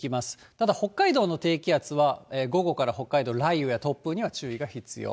ただ北海道の低気圧は午後から北海道、雷雨や突風には注意が必要。